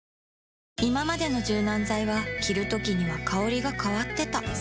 いままでの柔軟剤は着るときには香りが変わってた